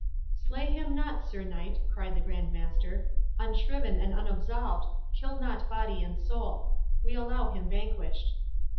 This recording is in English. "Slay him not, Sir Knight," cried the Grand Master, "unshriven and unabsolved—kill not body and soul! We allow him vanquished."